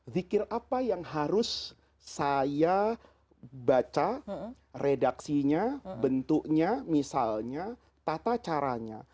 zikir apa yang harus saya baca redaksinya bentuknya misalnya tata caranya